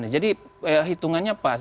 jadi hitungannya pas